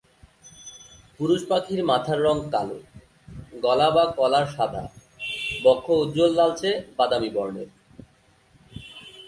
পুরুষ পাখির মাথার রং কালো, গলা বা কলার সাদা, বক্ষ উজ্জ্বল লালচে-বাদামী বর্ণের।